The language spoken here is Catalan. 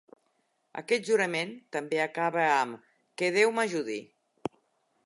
Aquest jurament també acaba amb "Que Déu m"ajudi!"